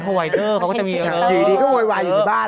ที่แท็กต์บอกว่าบ่อย